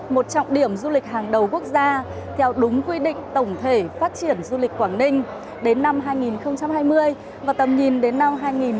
một trọng điểm du lịch hàng đầu quốc gia theo đúng quy định tổng thể phát triển du lịch quảng ninh đến năm hai nghìn hai mươi và tầm nhìn đến năm hai nghìn ba mươi